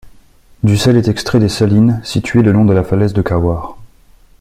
Du sel est extrait des salines situées le long de la falaise de Kaouar.